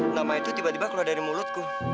nama itu tiba tiba keluar dari mulutku